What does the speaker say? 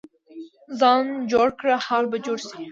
ځان جوړ کړه، حال به جوړ شي.